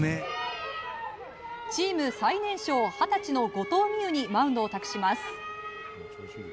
チーム最年少二十歳の後藤希友にマウンドを託します。